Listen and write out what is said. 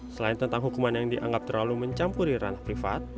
selain tentang hukuman yang dianggap terlalu mencampuri ranah privat